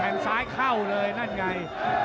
ซ้ายเข้าเลยนั่นไง